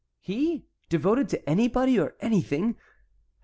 "He, devoted to anybody or anything!